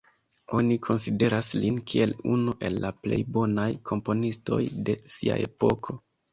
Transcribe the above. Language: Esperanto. Oni konsideras lin kiel unu el la plej bonaj komponistoj de sia epoko.